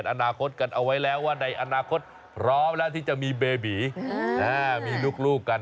ต้องจะได้หวันจริงอิจฉากคุณ